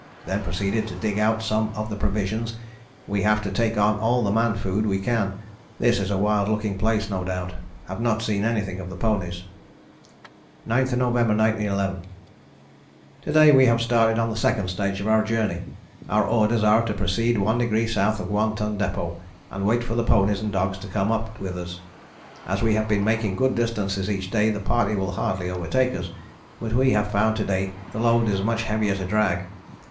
Then proceeded to dig out some of the provisions, we have to take on all the man food we can, this is a wild looking place no doubt, have not seen anything of the ponies. "9th November 1911. "To day we have started on the second stage of our journey. Our orders are to proceed one degree south of One Ton Depôt and wait for the ponies and dogs to come up with us; as we have been making good distances each day, the party will hardly overtake us, but we have found to day the load is much heavier to drag.